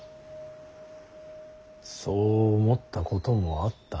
そう思ったこともあった。